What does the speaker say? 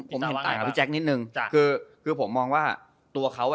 ผมเห็นต่างกับพี่แจ๊คนิดนึงจ้ะคือคือผมมองว่าตัวเขาอ่ะ